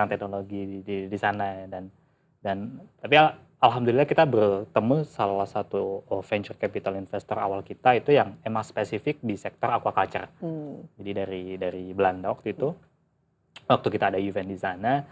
terima kasih tarwan